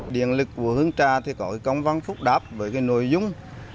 điện lực của hương trà thì có công văn phúc đáp với nội dung